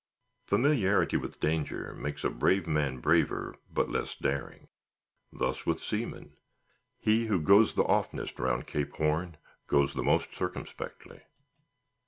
Familiarity with danger makes a brave man braver, but less daring. Thus with seamen: he who goes the oftenest round Cape Horn goes the most circumspectly.